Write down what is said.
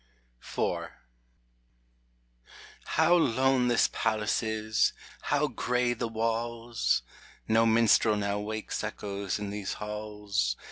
IV How lone this palace is ; how gray the walls ! No minstrel now wakes echoes in these halls.